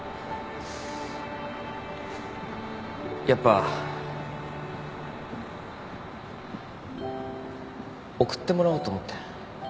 やっぱ送ってもらおうと思って。